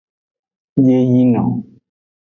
Yeyino.